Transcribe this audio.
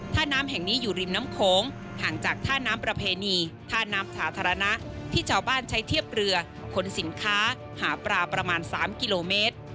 ท่าน้ำแห่งนี้อยู่ริมน้ำโขงห่างจากท่าน้ำประเพณีท่าน้ำสาธารณะที่ชาวบ้านใช้เทียบเรือขนสินค้าหาปลาประมาณ๓กิโลเมตร